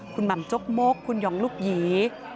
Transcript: คุณหม่ำจกมกคุณหยองลูกหยี